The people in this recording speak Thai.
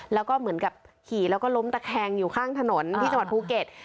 แล้วก็เหมือนกับขี่แล้วก็ล้มตะแคงอยู่ข้างถนนที่จังหวัดภูเก็ต